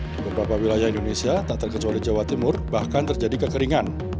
di beberapa wilayah indonesia tak terkecuali jawa timur bahkan terjadi kekeringan